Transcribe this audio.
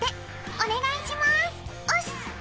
お願いしますおす！